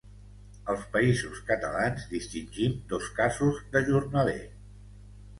Als Països Catalans distingim dos casos de jornaler.